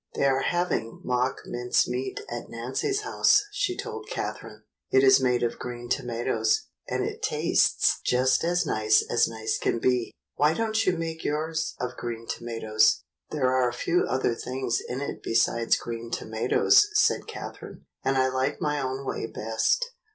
"They are having mock mince meat at Nancy's house," she told Catherine. "It is made of green tomatoes, and it tastes just as nice as nice can be. Why don't you make yours of green tomatoes?" "There are a few other things in it besides green tomatoes," said Catherine, "and I like my own way best.